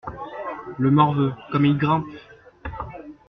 Le morveux, comme il grimpe!